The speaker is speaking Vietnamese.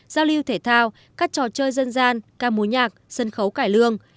giao lưu thể thao các trò chơi dân gian ca mối nhạc sân khấu cải lương